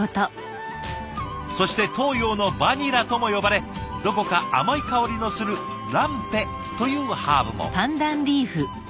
そして東洋のバニラとも呼ばれどこか甘い香りのするランペというハーブも。